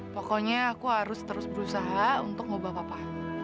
pokoknya aku harus terus berusaha untuk mengubah papa